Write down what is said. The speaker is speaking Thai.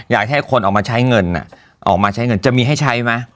อยากให้คนออกมาใช้เงินออกมาใช้เงินจะมีให้ใช้ไหม